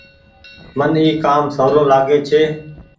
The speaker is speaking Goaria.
من اي ڪآم سولو لآگي ڇي۔